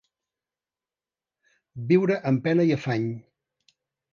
Viure amb pena i afany.